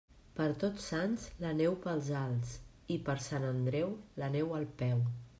Per Tots Sants la neu pels alts, i per Sant Andreu la neu al peu.